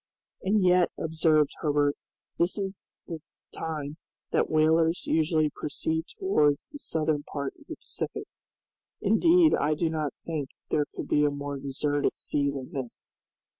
"And yet," observed Herbert, "this is the time that whalers usually proceed towards the southern part of the Pacific. Indeed I do not think there could be a more deserted sea than this."